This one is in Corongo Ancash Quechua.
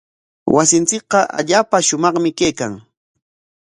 Wasinchikqa allaapa shumaqmi kaykan.